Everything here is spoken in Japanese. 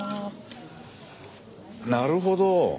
なるほど。